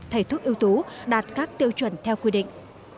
thầy thuốc ưu tú đạt các tiêu chuẩn theo quy định